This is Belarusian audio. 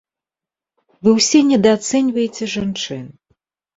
Вы ўсе недаацэньваеце жанчын!